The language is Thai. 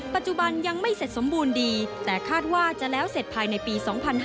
ปัจจุบันยังไม่เสร็จสมบูรณ์ดีแต่คาดว่าจะแล้วเสร็จภายในปี๒๕๕๙